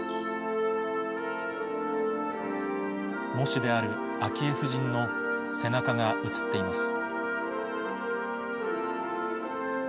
喪主である昭恵夫人の背中が映っています。